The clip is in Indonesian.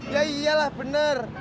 ya iyalah bener